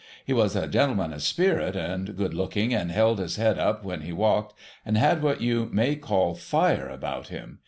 He was a gentleman of spirit, and good looking, and held his head up when he walked, and had what you may call Fire about him.